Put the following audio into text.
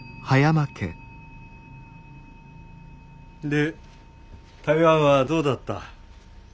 で台湾はどうだった？